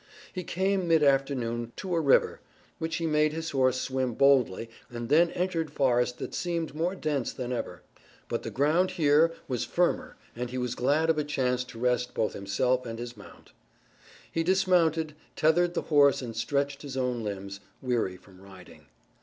He came, mid afternoon, to a river, which he made his horse swim boldly and then entered forest that seemed more dense than ever. But the ground here was firmer and he was glad of a chance to rest both himself and his mount. He dismounted, tethered the horse and stretched his own limbs, weary from riding.